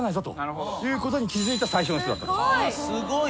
すごい。